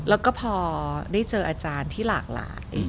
แล้วก็พอได้เจออาจารย์ที่หลากหลาย